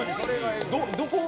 どこ？